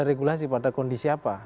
regulasi pada kondisi apa